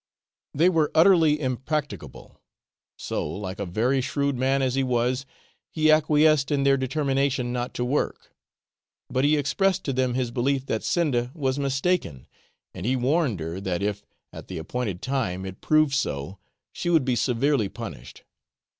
They were utterly impracticable so, like a very shrewd man as he was, he acquiesced in their determination not to work; but he expressed to them his belief that Sinda was mistaken, and he warned her that if, at the appointed time, it proved so, she would be severely punished.